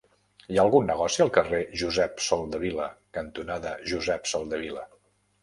Hi ha algun negoci al carrer Josep Soldevila cantonada Josep Soldevila?